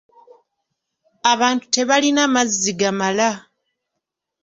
Abantu tebalina mazzi gamala.